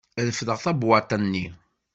Refdeɣ tabewwaḍt-nni.